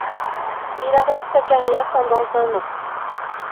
Il arrête sa carrière pendant un an.